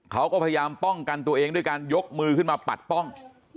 เขาก็พยายามป้องกันตัวเองด้วยการยกมือขึ้นมาปัดป้อง